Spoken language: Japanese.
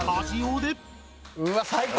うわ最高！